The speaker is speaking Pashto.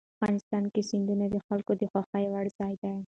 افغانستان کې سیندونه د خلکو د خوښې وړ ځای دی.